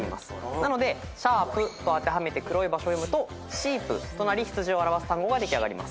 なので「シャープ」と当てはめて黒い場所を読むと「シープ」となり羊を表す単語が出来上がります。